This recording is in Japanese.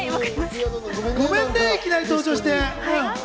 ごめんね、いきなり登場して。